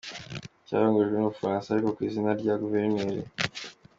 cyakoronijwe n’u Bufaransa ariko ku izina rya guverineri.